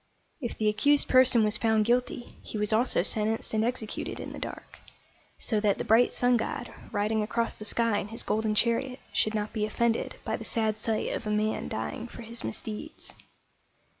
If the accused person was found guilty, he was also sentenced and executed in the dark, so that the bright sun god, riding across the sky in his golden chariot, should not be offended by the sad sight of a man dying for his misdeeds.